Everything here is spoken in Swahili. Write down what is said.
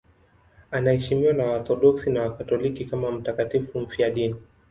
Anaheshimiwa na Waorthodoksi na Wakatoliki kama mtakatifu mfiadini.